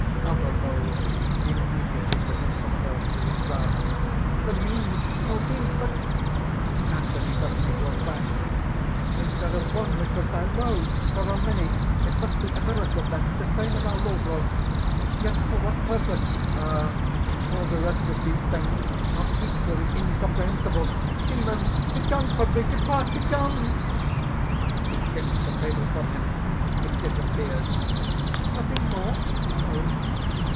Other loaves immediately present themselves to his grasp._) "For me!... all these! But ..." (Anthony suddenly draws back.) "Instead of one which was there, lo! there are many! It must be a miracle, then, the same as our Lord wrought! "Yet for what purpose?... Ah! all the rest of these things are equally incomprehensible! Demon, begone from me! depart! begone!" (He kicks the table from him. It disappears.) "Nothing more? no!"